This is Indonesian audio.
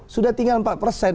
sudah tinggal empat persen